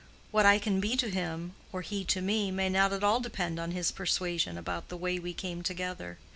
What I can be to him, or he to me, may not at all depend on his persuasion about the way we came together.